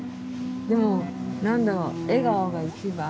でも何だろう笑顔が一番。